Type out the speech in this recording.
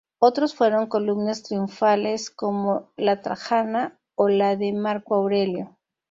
Otros fueron columnas triunfales como la trajana o la de Marco Aurelio.